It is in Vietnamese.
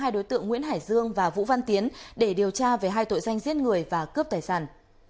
hai đối tượng nguyễn hải dương và vũ văn tiến để điều tra về hai tội danh giết người và cướp tài sản